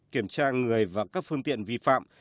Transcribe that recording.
kiểm tra người và các phương tiện vi phạm